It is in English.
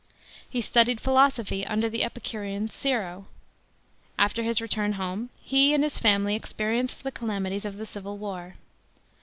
He studied philosophy under ti e Epicurean Siro. After his return home, he and his family experienced the calamities of the civil war.